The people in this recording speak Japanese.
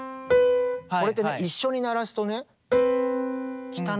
これってね一緒に鳴らすとね。